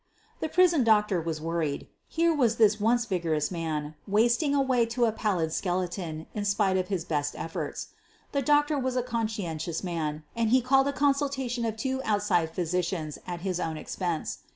The prison doetor was worried. Here was this once vigorous man wasting away to a pallid skele ton in spite of his best efforts. The doctor was a eonscientious man and he called a consultation of two outside physicians at his own expense.